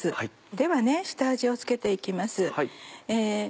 では下味を付けて行きます。